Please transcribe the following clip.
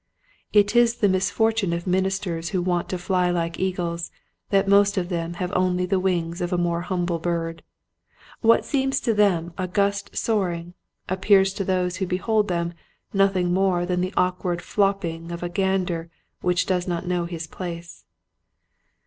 It is the misfortune of ministers who want to fly like eagles that most of them have only the wings of a more humble bird. What seems to them august soaring ap 204 Quiet Hints to Groiviitg Preachers. pears to those who behold them nothing more than the awkward flopping of a gander which does not know his place.